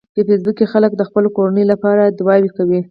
په فېسبوک کې خلک د خپلو کورنیو لپاره دعاوې کوي